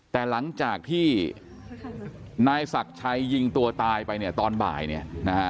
แต่หลังจากที่นายศักดิ์ชัยยิงตัวตายไปเนี่ยตอนบ่ายเนี่ยนะฮะ